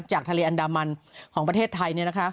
จากทะเลอันดามันของประเทศไทยนี่นะคะ